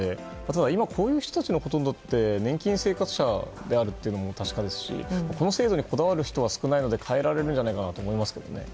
ただ、今こういう人たちのほとんどって年金生活者であることが確かですし、この制度にこだわる人は少ないので少ないので変えられるんじゃないかと思いますけどね。